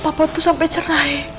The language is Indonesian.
papa tuh sampai cerai